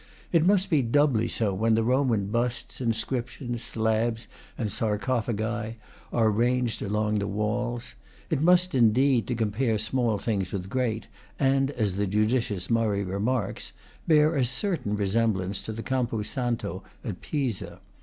It must be doubly so when the Roman busts, inscriptions, slabs and sarco phagi, are ranged along the walls; it must indeed (to compare small things with great, and as the judicious Murray remarks) bear a certain resemblance to the Campo Santo at Pisa.